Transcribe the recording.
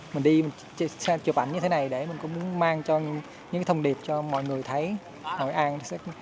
mình đi chụp ảnh như thế này để mình cũng muốn mang cho những thông điệp cho mọi người thấy hội an